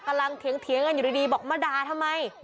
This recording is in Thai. เถียงกันอยู่ดีบอกมาด่าทำไม